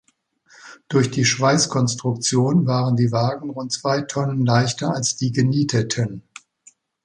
Durch die Schweißkonstruktion waren die Wagen rund zwei Tonnen leichter als die genieteten.